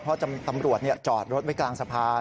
เพราะตำรวจจอดรถไว้กลางสะพาน